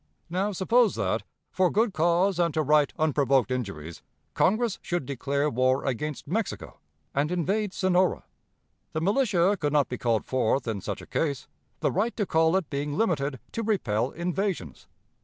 Now, suppose that, for good cause and to right unprovoked injuries, Congress should declare war against Mexico and invade Sonora. The militia could not be called forth in such a case, the right to call it being limited 'to repel invasions.'